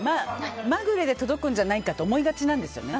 まぐれで届くんじゃないかと思いがちなんですよね。